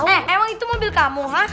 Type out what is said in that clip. eh emang itu mobil kamu